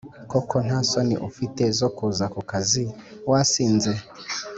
koko nta soni ufite zo kuza ku kazi wasinze?